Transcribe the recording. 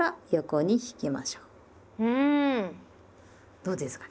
どうですかね。